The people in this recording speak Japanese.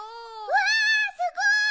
うわすごい！